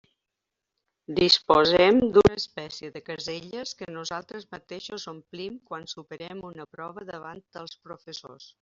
Disposem d'una espècie de caselles que nosaltres mateixos omplim quan superem una prova davant els professors.